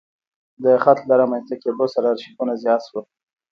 د خط له رامنځته کېدو سره ارشیفونه زیات شول.